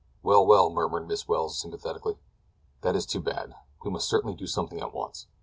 "Well, well," murmured Miss Welles sympathetically, "that is too bad. We must certainly do something at once.